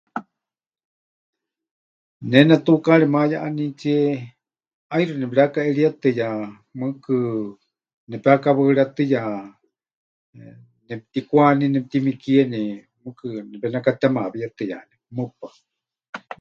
Ne netukaari mayeʼanítsie ʼaixɨ nepɨrekaʼeríetɨya, mɨɨkɨ nepekawaɨrétɨya, nepɨtikwaní, nepɨtimikieni, mɨɨkɨ nepenekatemawíetɨyani, mɨpaɨ.